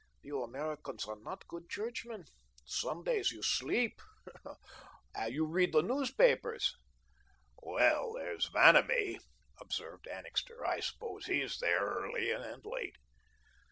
You Americans are not good churchmen. Sundays you sleep you read the newspapers." "Well, there's Vanamee," observed Annixter. "I suppose he's there early and late."